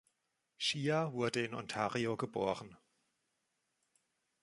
Shea wurde in Ontario geboren.